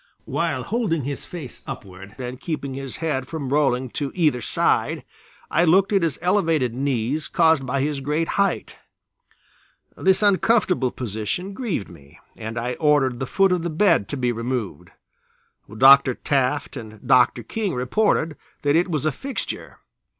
While holding his face upward and keeping his head from rolling to either side, I looked at his elevated knees caused by his great height. This uncomfortable position grieved me and I ordered the foot of the bed to be removed. Dr. Taft and Dr. King reported that it was a fixture.